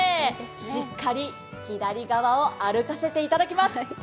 しっかり左側を歩かせていただきます。